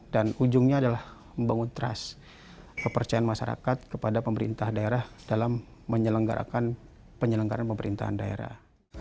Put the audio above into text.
dan ujungnya adalah membangun trust kepercayaan masyarakat kepada pemerintah daerah dalam menyelenggarakan penyelenggaran pemerintahan daerah